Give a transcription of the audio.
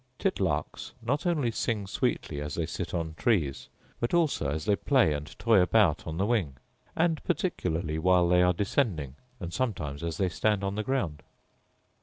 Titlarks not only sing sweetly as they sit on trees, but also as they play and toy about on the wing; and particularly while they are descending, and sometimes as they stand on the ground.